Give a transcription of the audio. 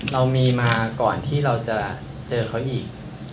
เรามีมาก่อนที่เราจะเจอเขาอีก